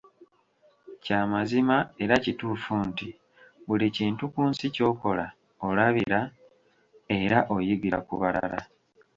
Kya mazima era kituufu nti, buli kintu ku nsi ky'okola olabira era oyigira ku balala.